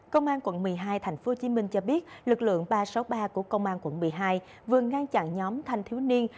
công an quận một mươi hai tp hcm cho biết lực lượng ba trăm sáu mươi ba của công an quận một mươi hai vừa ngăn chặn nhóm thanh thiếu niên